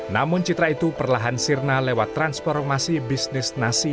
namun citra itu perlahan sirna lewat transformasi bisnis nasi